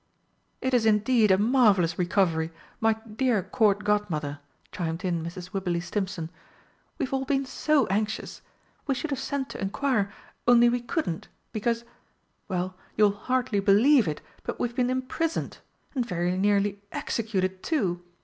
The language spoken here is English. "It is indeed a marvellous recovery, my dear Court Godmother!" chimed in Mrs. Wibberley Stimpson. "We've all been so anxious! We should have sent to inquire, only we couldn't because well, you'll hardly believe it, but we've been imprisoned (and very nearly executed, too!)